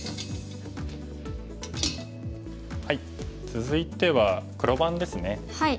続いては黒番ですね。